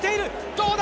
どうだ？